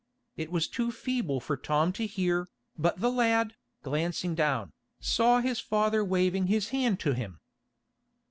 It was too feeble for Tom to hear, but the lad, glancing down, saw his father waving his hand to him.